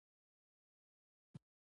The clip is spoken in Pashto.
دوی د عربو د لښکرو مخه ونیوله